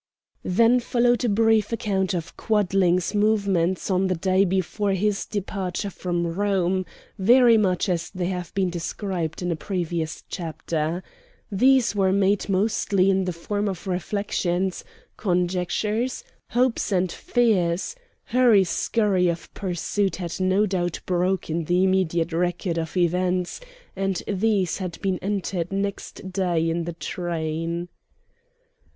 Then followed a brief account of Quadling's movements on the day before his departure from Rome, very much as they have been described in a previous chapter. These were made mostly in the form of reflections, conjectures, hopes, and fears; hurry scurry of pursuit had no doubt broken the immediate record of events, and these had been entered next day in the train.